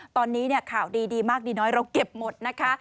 ตอนนี้ข่าวดีมากดีน้อยเราเก็บหมดนะคะ